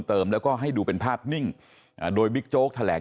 เติมแล้วก็ให้ดูเป็นภาพนิ่งโดยบิ๊กโจ๊กแถลง